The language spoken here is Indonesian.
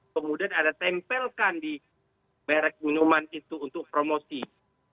kemudian ada tempelkan di merek minuman itu untuk promosi